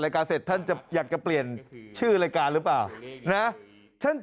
การเสร็จท่านจะอยากจะเปลี่ยนชื่อรายการหรือเปล่านะท่าน